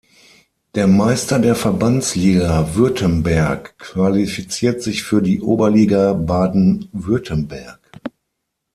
Der Meister der Verbandsliga Württemberg qualifiziert sich für die Oberliga Baden-Württemberg.